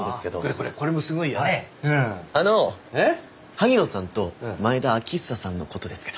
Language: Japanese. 萩野さんと前田秋寿さんのことですけど。